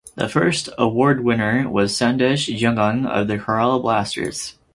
The first award winner was Sandesh Jhingan of the Kerala Blasters.